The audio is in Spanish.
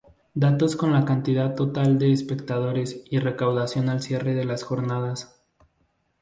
Datos con la cantidad total de espectadores y recaudación al cierre de las jornadas.